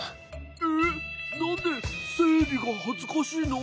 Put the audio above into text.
えっなんでせいりがはずかしいの？